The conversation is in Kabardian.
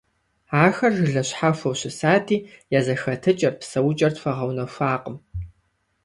Ахэр жылэ щхьэхуэу щысати, я зэхэтыкӀэр, псэукӀэр тхуэгъэунэхуакъым.